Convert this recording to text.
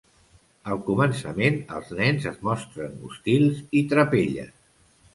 Al començament, els nens es mostren hostils i trapelles.